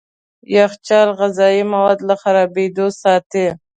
يخچال غذايي مواد له خرابېدو ساتي.